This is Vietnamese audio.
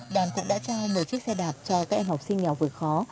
đoàn cũng đã trao một mươi chiếc xe đạp cho các em học sinh nghèo vượt khó